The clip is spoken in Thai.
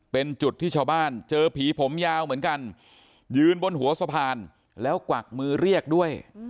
เป็นจุดที่ชาวบ้านเจอผีผมยาวเหมือนกันยืนบนหัวสะพานแล้วกวักมือเรียกด้วย